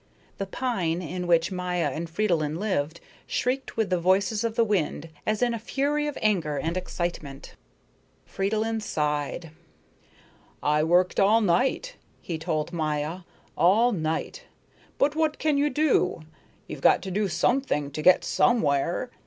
The pine in which Maya and Fridolin lived shrieked with the voices of the wind as in a fury of anger and excitement. Fridolin sighed. "I worked all night," he told Maya, "all night. But what can you do? You've got to do _some_thing to get _some_where.